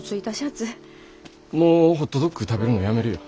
もうホットドッグ食べるのやめるよ。